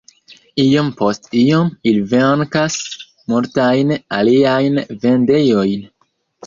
Iom post iom ili venkas multajn aliajn vendejojn.